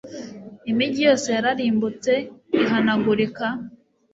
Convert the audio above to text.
Imigi yose yararimbutse ihanagurika